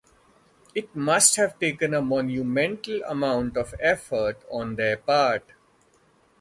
It must have taken a monumental amount of effort on their part.